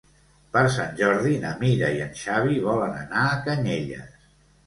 Per Sant Jordi na Mira i en Xavi volen anar a Canyelles.